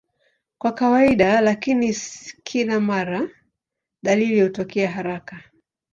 Kwa kawaida, lakini si kila mara, dalili hutokea haraka.